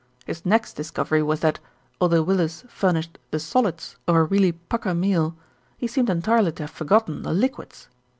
His next discovery was that, although Willis furnished the solids of a really pukka meal, he seemed entirely to have forgotten the liquids.